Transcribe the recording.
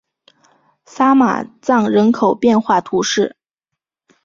萨马藏人口变化图示